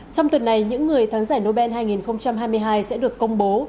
trong tuần này những người tháng giải nobel hai nghìn hai mươi hai sẽ được công bố